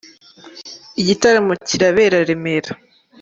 Igitaramo kirabera Remera.